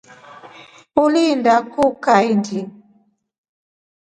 Uliinda kuu kaindi?